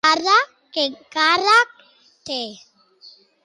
I ara quin càrrec té?